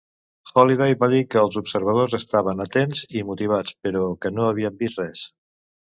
Holiday va dir que els observadors estaven atents i motivats però que no havien vist res.